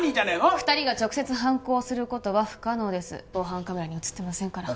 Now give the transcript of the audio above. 二人が直接犯行をすることは不可能です防犯カメラに写ってませんからああ